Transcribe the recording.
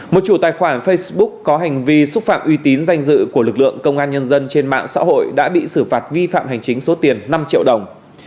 một chủ tài khoản facebook có hành vi xúc phạm uy tín danh dự của lực lượng công an nhân dân trên mạng xã hội đã bị xử phạt vi phạm hành chính số tiền năm triệu đồng